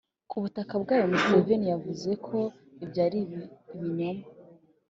ku butaka bwayo; museveni yavuze ko ibyo ari ibinyoma,